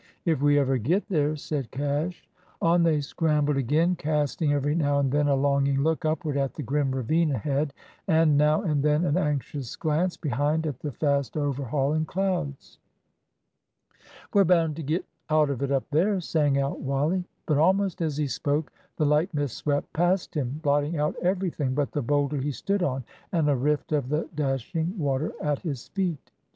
"If we ever get there," said Cash. On they scrambled again, casting every now and then a longing look upward at the grim ravine head, and now and then an anxious glance behind at the fast overhauling clouds. "We're bound to get out of it up there," sang out Wally. But almost as he spoke the light mist swept past him, blotting out everything but the boulder he stood on and a rift of the dashing water at his feet.